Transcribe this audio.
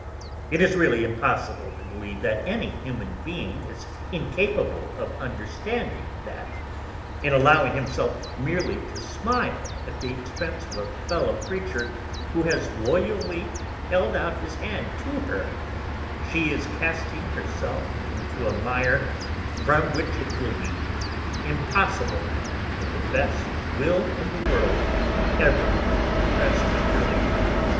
It is really impossible to believe that any human being is incapable of understanding that, in allowing herself merely to smile at the expense of a fellow creature who has loyally held out his hand to her, she is casting herself into a mire from which it will be impossible, with the best will in the world, ever to rescue her.